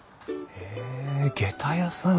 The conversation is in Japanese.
へえげた屋さん。